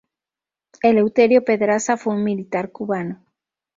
Eleuterio Pedraza fue un militar cubano.